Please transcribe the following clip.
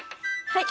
はい。